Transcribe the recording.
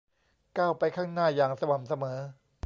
ก้าวไปข้างหน้าอย่างสม่ำเสมอ